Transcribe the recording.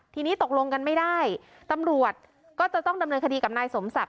ทีนี้ตกลงกันไม่ได้ตำรวจก็จะต้องดำเนินคดีกับนายสมศักดิ